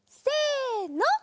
せの。